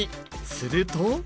すると。